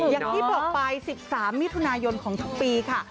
อย่างที่บอกไป๑๓มิถุนายนของทุกปีค่ะ